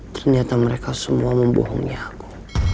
ternyata mereka semua membohongi aku